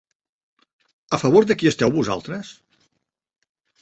A favor de qui esteu vosaltres?